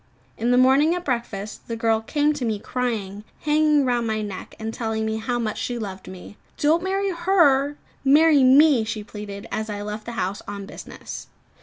In the morning at breakfast, the girl came to me crying; hanging round my neck, and telling me how much she loved me. "Don't marry her, marry me!" she pleaded, as I left the house on business.